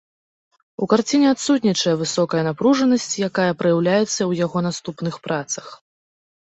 У карціне адсутнічае высокая напружанасць, якая праяўляецца ў яго наступных працах.